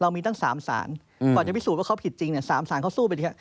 มีตั้ง๓สารกว่าจะพิสูจนว่าเขาผิดจริง๓สารเขาสู้ไปที